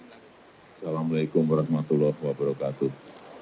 assalamu'alaikum warahmatullahi wabarakatuh